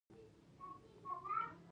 ګوشتې ولسوالۍ ریګي ده؟